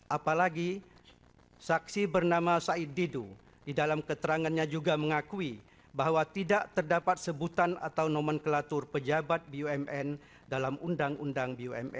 apalagi saksi bernama said didu di dalam keterangannya juga mengakui bahwa tidak terdapat sebutan atau nomenklatur pejabat bumn dalam undang undang bumn